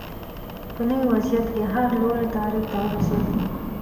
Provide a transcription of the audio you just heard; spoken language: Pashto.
په نوي وضعیت کې هر لوری تعریف ته ورسېد